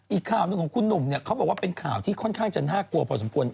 อีกข่าวหนึ่งของคุณหนุ่มเนี่ยเขาบอกว่าเป็นข่าวที่ค่อนข้างจะน่ากลัวพอสมควร